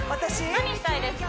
何したいですか？